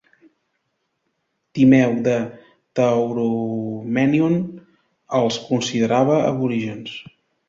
Timeu de Tauromenion els considerava aborigens.